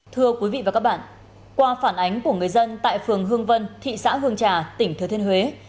thưa quý vị và các bạn qua phản ánh của người dân tại phường hương vân thị xã hương trà tỉnh thừa thiên huế